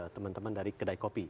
teman teman dari kedai kopi